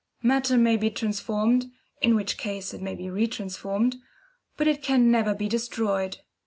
Matter may be transformed (in which case it may be re transformed), but it can never be destroyed.